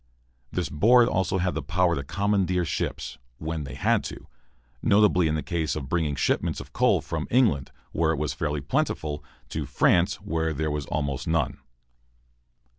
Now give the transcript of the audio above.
This board also had power to commandeer ships, when they had to notably in the case of bringing shipments of coal from England, where it was fairly plentiful, to France, where there was almost none.